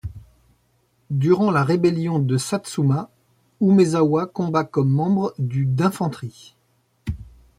Durant la rébellion de Satsuma, Umezawa combat comme membre du d'infanterie.